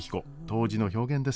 当時の表現です。